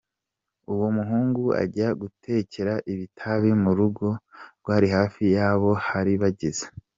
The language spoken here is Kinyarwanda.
Uwo muhungu ajya gutekera itabi mu rugo rwari hafi y’aho bari bageze.